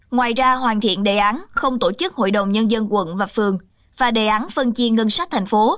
ngoài ra hoàn thiện đề án không tổ chức hội đồng nhân dân quận và phường và đề án phân chiên ngân sách thành phố